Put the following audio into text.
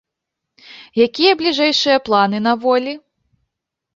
Якія бліжэйшыя планы на волі?